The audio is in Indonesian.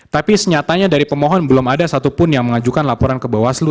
tapi senyatanya dari pemohon belum ada satupun yang mengajukan laporan ke bawaslu